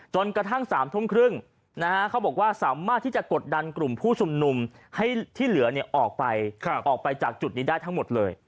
จนกระทั่ง๓ทุ่มครึ่งเขาบอกว่าสามารถที่จะกดดันกลุ่มผู้ชุมนุมให้ที่เหลือออกไปออกไปจากจุดนี้ได้ทั้งหมดเลย